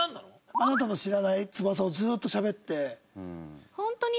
あなたの知らない翼をずーっとしゃべって。